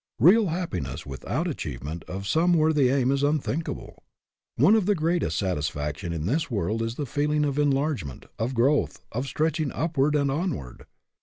Real happiness without achievement of some worthy aim is unthinkable. One of the great est satisfactions in this world is the feeling of enlargement, of growth, of stretching upward and onward.